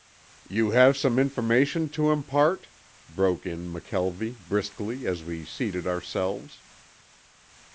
"You have some information to impart?" broke in McKelvie briskly as we seated ourselves.